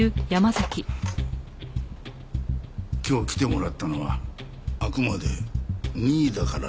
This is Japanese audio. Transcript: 今日来てもらったのはあくまで任意だからね。